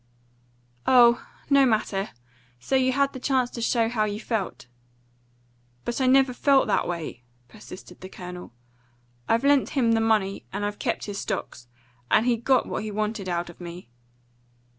"Oh, no matter! so you had the chance to show how you felt." "But I never felt that way," persisted the Colonel. "I've lent him the money, and I've kept his stocks. And he got what he wanted out of me."